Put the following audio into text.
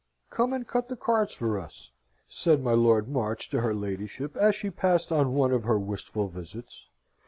"Come and cut the cards for us," said my Lord March to her ladyship as she passed on one of her wistful visits.